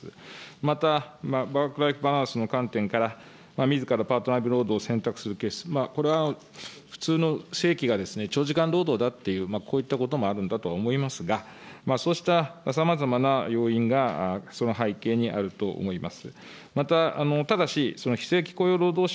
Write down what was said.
また、ワークライフバランスの観点から、みずからパートナー労働を選択するケース、これは普通の正規が長時間労働だっていう、こういったこともあるんだと思いますが、そうしたさまざまな要因がその背景にあると思います。